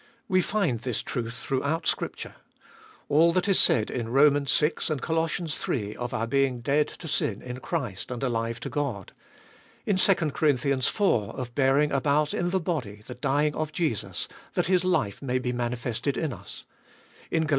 We find this truth throughout Scripture. All that is said in Rom. vi. and Col. iii. of our being dead to sin in Christ, and alive to God, in 2 Cor. iv. of bearing about in the body the dying of Jesus that His life may be manifested in us, in Gal.